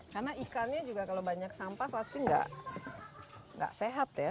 karena ikannya juga kalau banyak sampah pasti nggak sehat ya